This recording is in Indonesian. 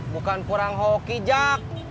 bukan kurang hoki jak